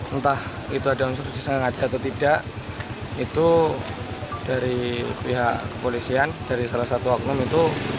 entah itu ada institusi sengaja atau tidak itu dari pihak kepolisian dari salah satu oknum itu